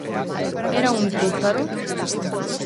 Era un túzaro?